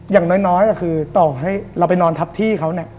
อย่างน้อยก็คือต่อให้เราไปนอนทับที่เขาเนี่ย